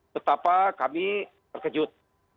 tetap kami terkejut